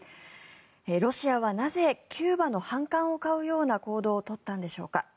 ロシアはなぜキューバの反感を買うような行動を取ったんでしょうか。